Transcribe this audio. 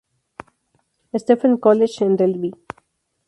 Stephen’s College, en Delhi.